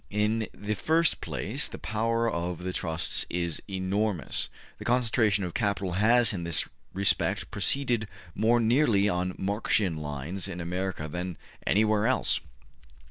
In the first place, the power of the trusts is enormous; the concentration of capital has in this respect proceeded more nearly on Marxian lines in America than anywhere else.